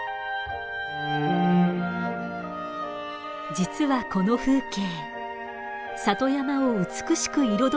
実はこの風景里山を美しく彩りたいと願い